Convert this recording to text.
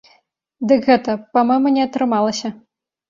Дык гэта, па-мойму, не атрымалася.